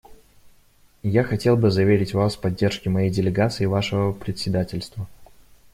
Я хотел бы заверить Вас в поддержке моей делегацией Вашего председательства.